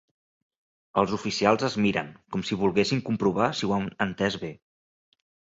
Els oficials es miren, com si volguessin comprovar si ho han entès bé.